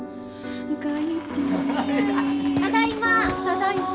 ただいま！